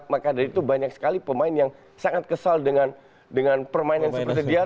maka dari itu banyak sekali pemain yang sangat kesal dengan permainan seperti dia